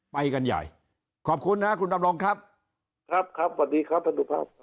ไปกันใหญ่ขอบคุณนะคุณดำรงครับครับสวัสดีครับท่านสุภาพ